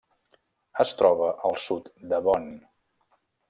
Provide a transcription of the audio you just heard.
Es troba al sud de Bonn.